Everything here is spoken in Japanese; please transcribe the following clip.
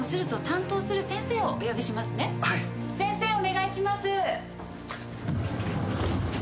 先生お願いします。